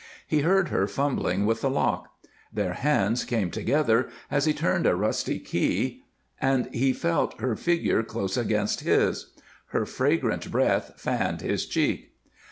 He heard her fumbling with the lock. Their hands came together as he turned a rusty key and he felt her figure close against his; her fragrant breath fanned his cheek.